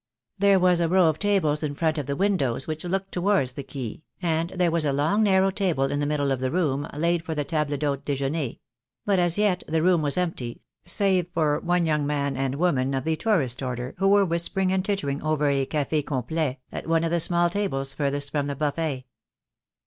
There was a row of tables in front of the windows which looked towards the quay, and there was a long, narrow table in the middle of the room, laid for the table d'hote dejeuner; but as yet the room was empty, save for one young man and woman, of the tourist order, who were whispering and tittering over a cafe complet at one of the small tables furthest from the buffet.